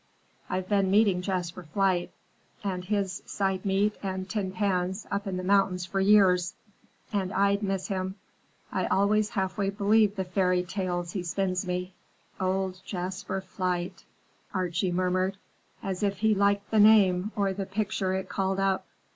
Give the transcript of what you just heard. I've been meeting Jasper Flight, and his side meat and tin pans, up in the mountains for years, and I'd miss him. I always halfway believe the fairy tales he spins me. Old Jasper Flight," Archie murmured, as if he liked the name or the picture it called up.